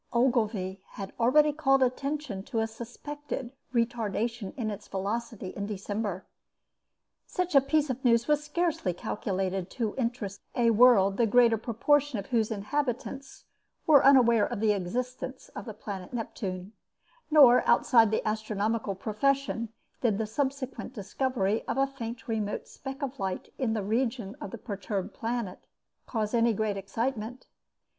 Ogilvy had already called attention to a suspected retardation in its velocity in December. Such a piece of news was scarcely calculated to interest a world the greater portion of whose inhabitants were unaware of the existence of the planet Neptune, nor outside the astronomical profession did the subsequent discovery of a faint remote speck of light in the region of the perturbed planet cause any very great excitement.